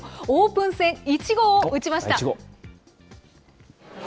オープン戦１号を打ちました。